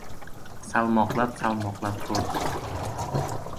Salmoqlab-salmoqlab ko‘rdi.